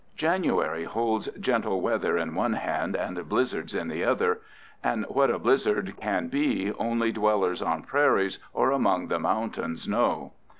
January holds gentle weather in one hand and blizzards in the other, and what a blizzard can be only dwellers on prairies or among the mountains know.